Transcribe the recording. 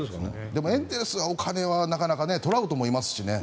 でもエンゼルスはお金はトラウトもいますしね。